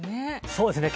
そうですね。